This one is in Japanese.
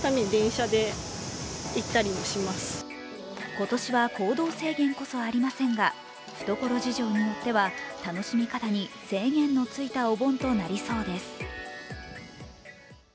今年は行動制限こそありませんが懐事情によっては楽しみ方に制限のついたお盆となりそうです。